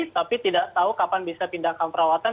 tapi tidak tahu kapan bisa pindahkan perawatan